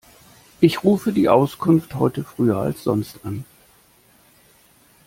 Ich rufe die Auskunft heute früher als sonst an.